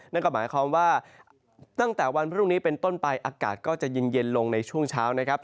นั่นก็หมายความว่าตั้งแต่วันพรุ่งนี้เป็นต้นไปอากาศก็จะเย็นลงในช่วงเช้านะครับ